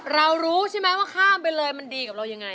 รู้ใช่ไหมว่าข้ามไปเลยมันดีกับเรายังไง